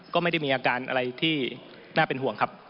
ก็ไม่ได้มีอาการอะไรที่น่าเป็นห่วงครับ